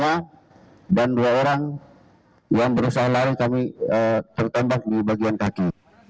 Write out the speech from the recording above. dan dua orang yang berusaha lari kami tertembak di bagian kaki